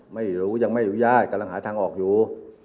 ไม่รู้ยังไม่อนุญาตกำลังหาทางออกอยู่